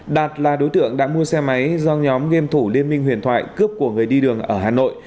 đạt là đối tượng đã mua xe máy do nhóm game thủ liên minh huyền thoại cướp của người đi đường ở hà nội